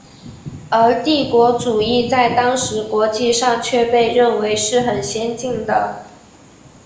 而帝国主义在当时国际上却被认为是很先进的。